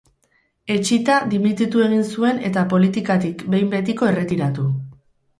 Etsita, dimititu egin zuen eta politikatik behin betiko erretiratu.